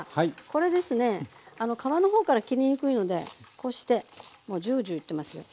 これですね皮の方から切りにくいのでこうしてもうジュウジュウいってますよ。